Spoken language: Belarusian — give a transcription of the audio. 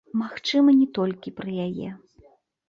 Магчыма, не толькі пра яе.